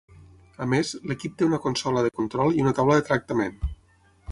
A més, l'equip té una consola de control i una taula de tractament.